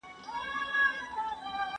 موږ شکلونه بيا نه ګورو.